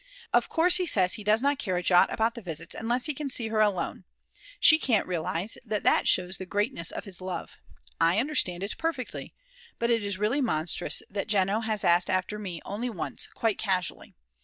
Of course he says he does not care a jot about the visits unless he can see her alone. She can't realise that that shows the greatness of his love. I understand it perfectly. But it is really monstrous that Jeno has asked after me only once, quite casually.